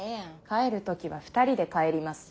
帰る時は２人で帰ります。